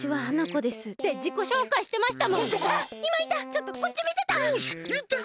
ちょっとこっちみてた。